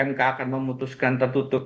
mk akan memutuskan tertutup